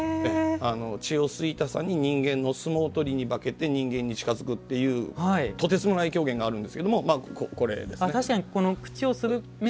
血を吸いたさに人間の相撲取りに化けて人間に近づくというとてつもない狂言があるんですがこれですね。